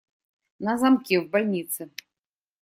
На замке, в больнице.